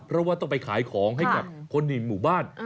เพราะว่าต้องไปขายของให้กับคนในหมู่บ้าน